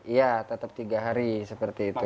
iya tetap tiga hari seperti itu